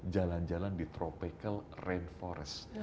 jalan jalan di tropical rainforest